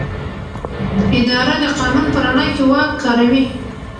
اداره د قانون په رڼا کې واک کاروي.